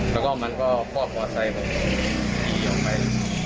แล้วก็มันก็คลอดมอไซค์ผมขี่ออกไป